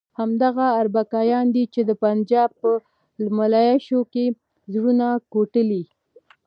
همدغه اربکیان دي چې د پنجاب په ملیشو کې زړونه کوټلي.